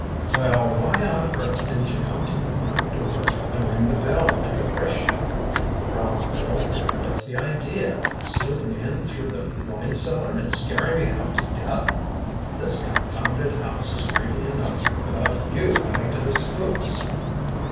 "Well, why on earth didn't you come to the front door and ring the bell like a Christian?" growled Bill. "What's the idea? Snooping in through the wine cellar and scaring me half to death? This confounded house is creepy enough without you adding to the spooks!"